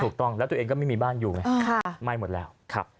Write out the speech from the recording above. ถูกต้องแล้วตัวเองก็ไม่มีบ้านอยู่ไงไหม้หมดแล้วครับ